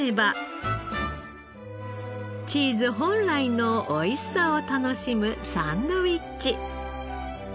チーズ本来の美味しさを楽しむサンドイッチ。